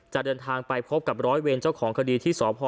เดินทางไปพบกับร้อยเวรเจ้าของคดีที่สพ